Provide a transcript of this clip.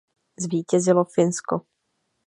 Zvítězilo Finsko.